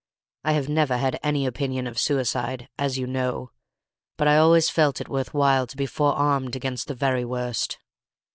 I have never had any opinion of suicide, as you know, but I always felt it worth while to be forearmed against the very worst.